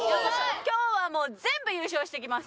今日はもう全部優勝してきます。